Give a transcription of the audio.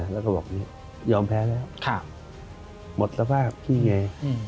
แล้วก็บอกยอมแพ้แล้วหมดสภาพพี่ไง